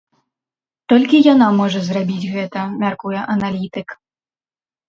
Толькі яна можа зрабіць гэта, мяркуе аналітык.